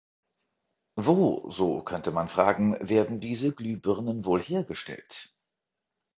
Wo, so könnte man fragen, werden diese Glühbirnen wohl hergestellt?